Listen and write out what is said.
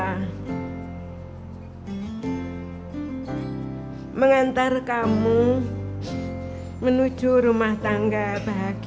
saya mengantar kamu menuju rumah tangga bahagia